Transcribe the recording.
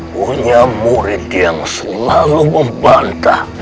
punya murid yang selalu membantah